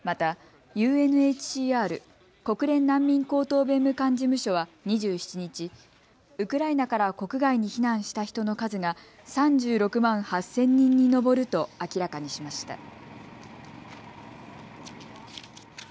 またＵＮＨＣＲ・国連難民高等弁務官事務所は２７日ウクライナから国外に避難した人の数が３６万８０００人に上ると明らかにしました。